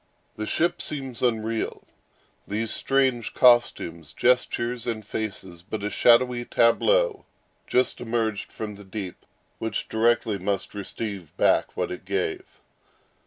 The ship seems unreal; these strange costumes, gestures, and faces, but a shadowy tableau just emerged from the deep, which directly must receive back what it gave.